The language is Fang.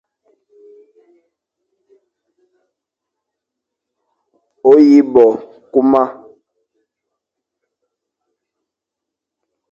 O yi bo kuma,